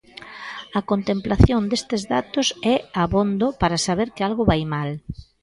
A contemplación destes datos é abondo para saber que algo vai mal.